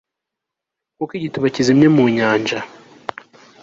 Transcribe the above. Nkuko igituba kizimye mu nyanja